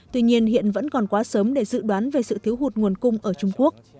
tuy nhiên hiện vẫn còn quá sớm để dự đoán về sự thiếu hụt nguồn cung ở trung quốc